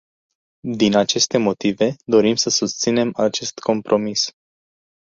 Din aceste motive, dorim să susținem acest compromis.